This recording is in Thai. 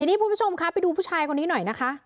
ทีนี้ผู้ชมครับไปดูผู้ชายก่อนนี้หน่อยนะคะ